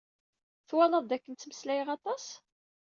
Twalaḍ d akken ttmeslayeɣ atas?